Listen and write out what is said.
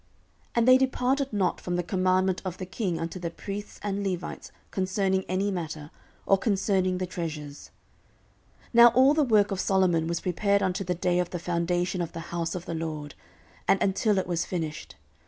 14:008:015 And they departed not from the commandment of the king unto the priests and Levites concerning any matter, or concerning the treasures. 14:008:016 Now all the work of Solomon was prepared unto the day of the foundation of the house of the LORD, and until it was finished.